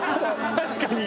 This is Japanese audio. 確かに。